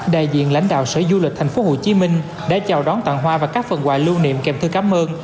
đại diện lãnh đạo sở du lịch tp hcm đã chào đón tặng hoa và các phần quà lưu niệm kèm thư cảm ơn